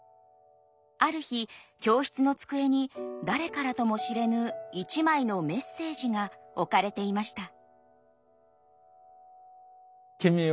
ある日教室の机に誰からとも知れぬ一枚のメッセージが置かれていました。